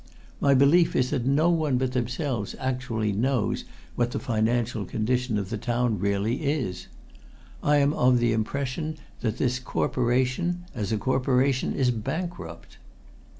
My belief is that no one but themselves actually knows what the financial condition of the town really is. I am of impression that this Corporation, as a Corporation, is bankrupt!"